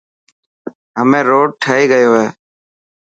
همي روڊ ٺهي گيو هي.